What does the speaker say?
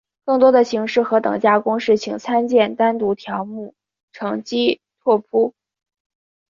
更多的形式和等价公式请参见单独条目乘积拓扑。